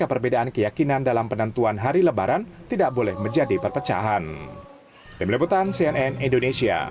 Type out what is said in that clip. pemimpinan dalam penentuan hari lebaran tidak boleh menjadi perpecahan